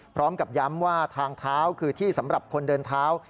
พร้อมกับย้ำว่าทางเท้าคือที่สำหรับคนเดินเท้า